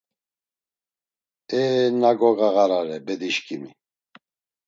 Eeena gogağarare bedişǩimi!